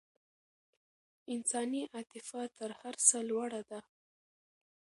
انساني عاطفه تر هر څه لوړه ده.